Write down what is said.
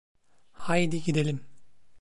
Haydi gidelim.